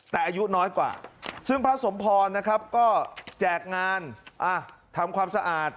แต่อายุน้อยกว่าซึ่งพระสมพรนะครับก็แจกงานทำความสะอาด